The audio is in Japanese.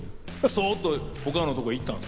そっと他のところに行った。